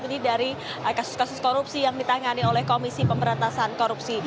ini dari kasus kasus korupsi yang ditangani oleh komisi pemberantasan korupsi